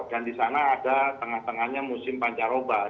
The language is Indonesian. dan di sana ada tengah tengahnya musim pancarobon